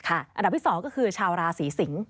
อันดับที่๒ก็คือชาวราศีสิงศ์